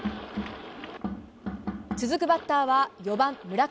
続くバッターは４番、村上。